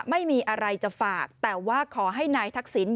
ไม่มีอะไรจะฝากแต่ว่าขอให้นายทักษิณ